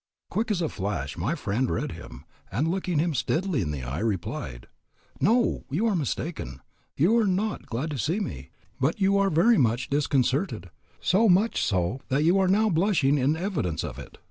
Quick as a flash my friend read him, and looking him steadily in the eye, replied, "No, you are mistaken, you are not glad to see me; but you are very much disconcerted, so much so that you are now blushing in evidence of it."